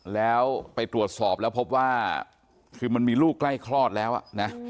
แล้วไปตรวจสอบแล้วพบว่าคือมันมีลูกใกล้คลอดแล้วนะ